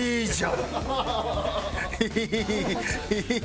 いい！